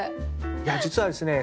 いや実はですね